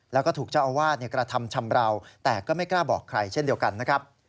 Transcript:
แล้วก็ถูกเจ้าอาวาสกระทำชำราวแต่ก็ไม่กล้าบอกใครเช่นเดียวกันนะครับ